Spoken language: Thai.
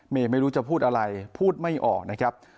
ไม่รู้จะพูดอะไรพูดไม่ออกนะครับ